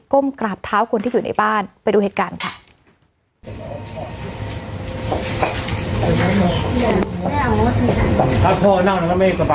้มกราบเท้าคนที่อยู่ในบ้านไปดูเหตุการณ์ค่ะ